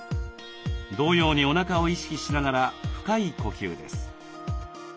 同様におなかを意識しながら深い呼吸です。